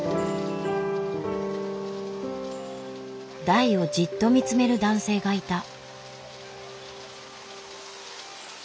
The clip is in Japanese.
台をじっと見つめる男性がいた。